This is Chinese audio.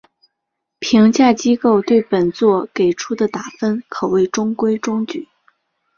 评价机构对本作给出的打分可谓中规中矩。